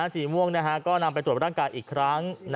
สีม่วงก็นำไปตรวจร่างกายอีกครั้ง